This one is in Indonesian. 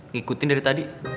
ngikutin dari tadi